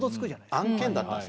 案件だったんです。